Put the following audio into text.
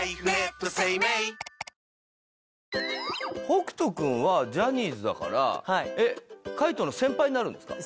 北斗君はジャニーズだから海人の先輩になるんですか？